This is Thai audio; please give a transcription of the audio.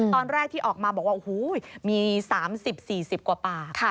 ตอนแรกที่ออกมาบอกว่าโอ้โหมี๓๐๔๐กว่าปาก